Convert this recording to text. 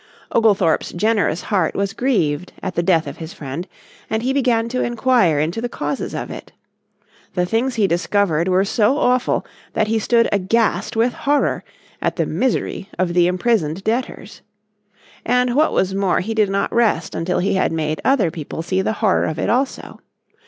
Oglethorpe's generous heart was grieved at the death of his friend, and he began to enquire into the causes of it. The things he discovered were so awful that he stood aghast with horror at the misery of the imprisoned debtors. And what was more he did not rest until he had made other people see the horror of it also.